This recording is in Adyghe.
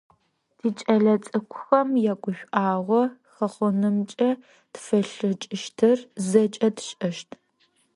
Тикӏэлэцӏыкӏухэм ягушӏуагъо хэхъонымкӏэ тфэлъэкӏыщтыр зэкӏэ тшӏэщт.